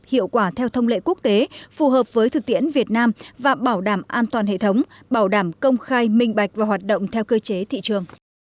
hiệu quả theo thông lệ quốc tế phù hợp với thực tiễn việt nam và bảo đảm an toàn hệ thống bảo đảm công khai minh bạch và hoạt động theo cơ chế thị trường